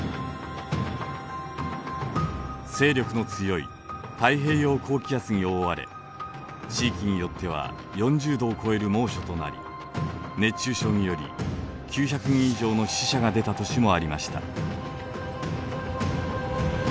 勢力の強い太平洋高気圧に覆われ地域によっては４０度を超える猛暑となり熱中症により９００人以上の死者が出た年もありました。